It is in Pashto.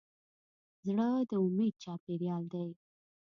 زړه د امید چاپېریال دی.